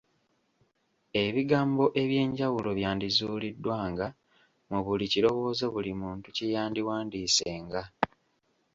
Ebigambo eby'enjawulo byandizuuliddwanga mu buli kirowoozo buli muntu kye yandiwandiisenga.